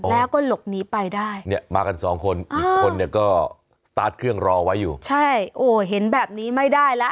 แล้วก็หลบหนีไปได้เนี่ยมากันสองคนอีกคนเนี่ยก็สตาร์ทเครื่องรอไว้อยู่ใช่โอ้เห็นแบบนี้ไม่ได้แล้ว